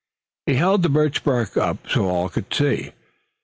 He held the birch bark up so all could see.